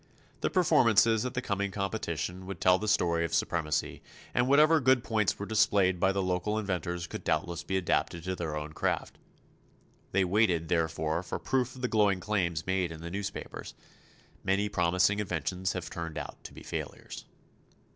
The performances at the coming competition would tell the story of supremacy, and whatever good points were displayed by the local inventors could doubtless be adapted to their own craft. They waited, therefore, for proof of the glowing claims made in the newspapers. Many promising inventions have turned out to be failures.